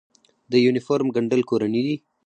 د یونیفورم ګنډل کورني دي؟